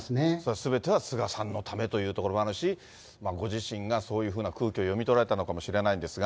すべては菅さんのためというところもあるし、ご自身がそういうふうな空気を読み取られたのかもしれないんですが。